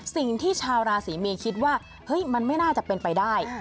สิ่งที่ชาวราศีเมย์คิดว่าเฮ้ยมันไม่น่าจะเป็นไปได้